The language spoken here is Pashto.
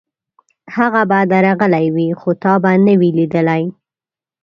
هغه به درغلی وي، خو تا به نه وي لېدلی.